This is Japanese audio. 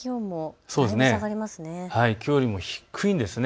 きょうよりも低いんです。